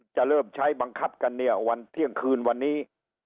จะเริ่มใช้บังคับกันเนี่ยวันเที่ยงคืนวันนี้